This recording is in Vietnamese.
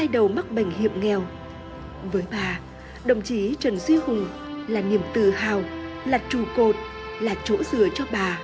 đã mắc bệnh hiệp nghèo với bà đồng chí trần duy hùng là niềm tự hào là trù cột là chỗ sửa cho bà